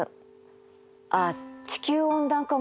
ああ地球温暖化もそう。